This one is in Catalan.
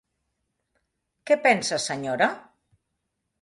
Què pensa, senyora?